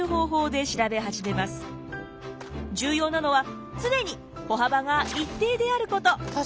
重要なのは常に歩幅が一定であること。